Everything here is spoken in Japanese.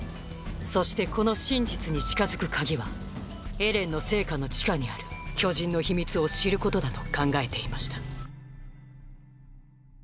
そしてこの真実に近づく鍵はエレンの生家の地下にある巨人の秘密を知ることだと考えていました